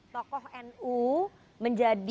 tokoh nu menjadi